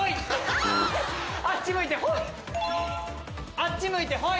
あっち向いてホイ！